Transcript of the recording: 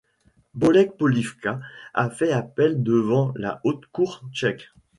Bolek Polívka a fait appel devant la Haute Cour tchèque.